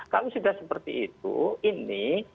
kalau sudah seperti itu ini